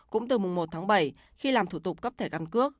cũng từ mùng một tháng bảy khi làm thủ tục cấp thẻ căn cước